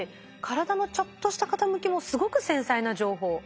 体のちょっとした傾きもすごく繊細な情報。